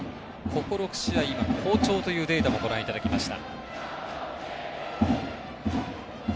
ここ６試合の好調というデータもご覧いただきました。